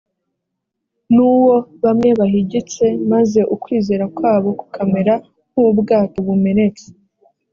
nuwo bamwe bahigitse maze ukwizera kwabo kukamera nk ubwato bumenetse